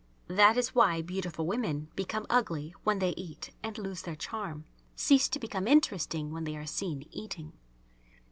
That is why beautiful women become ugly when they eat and lose their charm, cease to become interesting when they are seen eating.